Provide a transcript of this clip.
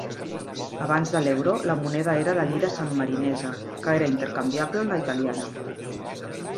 Abans de l'euro la moneda era la lira sanmarinesa que era intercanviable amb la italiana.